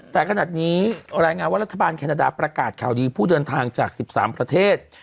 แต่ขนาดนี้รายงานว่ารัฐบาลแคนาดาประกาศข่าวดีผู้เดินทางจาก๑๓ประเทศ